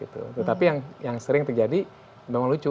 tetapi yang sering terjadi memang lucu